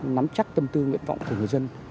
nắm chắc tâm tư nguyện vọng của người dân